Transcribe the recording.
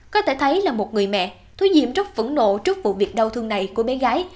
có thể thấy là một người mẹ thôi nhiệm rất phẫn nộ trước vụ việc đau thương này của bé gái